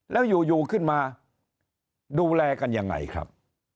แล้วอยู่ขึ้นมาดูแลกันยังไงครับ